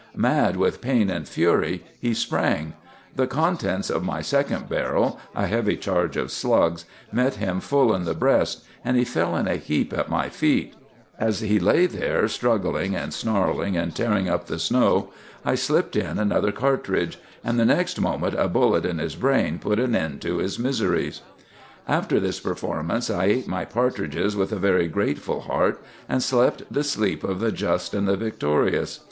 Mad with pain and fury, he sprang. The contents of my second barrel, a heavy charge of slugs, met him full in the breast, and he fell in a heap at my feet. [Illustration: "Mad with Pain and Fury, He sprang."—Page 249.] "As he lay there, struggling and snarling and tearing up the snow, I slipped in another cartridge; and the next moment a bullet in his brain put an end to his miseries. "After this performance, I ate my partridges with a very grateful heart, and slept the sleep of the just and the victorious.